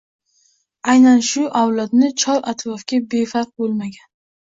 Aynan shu avlodni chor-atrofga befarq bo‘lmagan